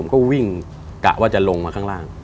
ก็วิ่งกะว่าจะลงมาข้างล่าง